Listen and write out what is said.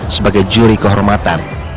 sebagai juri kohortasi